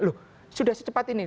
loh sudah secepat ini